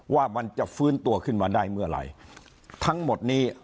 ว่ามันจะฟื้นตัวขึ้นมาได้เมื่อไหร่ทั้งหมดนี้